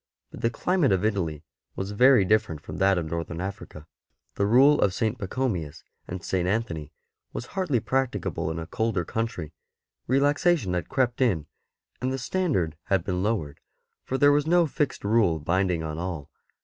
But the climate of Italy was very different from that of Northern Africa; the Rule of St. Pachomius and St. Anthony was hardly practicable in a colder country; relaxation had crept in and the standard had been lowered, for there was no fixed rule binding on all.